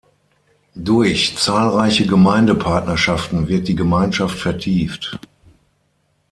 Durch zahlreiche Gemeindepartnerschaften wird die Gemeinschaft vertieft.